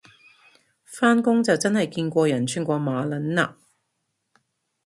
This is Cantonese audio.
返工就真係見過人串過馬撚嘞